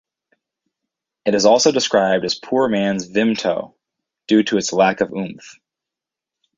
It is also described as poor man's Vimto due to its lack of oomph.